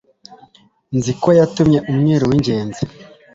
nziko yatumye umwiru w'ingenzi